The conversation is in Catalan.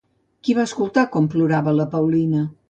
Qui va escoltar com plorava la Paulina?